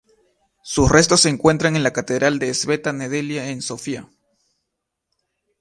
Sus restos se encuentran en la Catedral de Sveta-Nedelya, en Sofía.